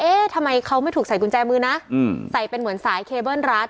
ทำไมเขาไม่ถูกใส่กุญแจมือนะใส่เป็นเหมือนสายเคเบิ้ลรัด